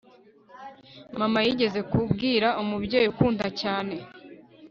mama, yigeze kubwira umubyeyi ukunda cyane